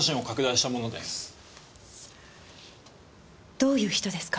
どういう人ですか？